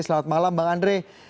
selamat malam bang andri